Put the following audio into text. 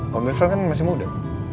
pak irfan kan masih muda